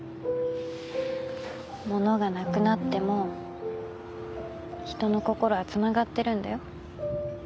物がなくなっても人の心はつながってるんだよ。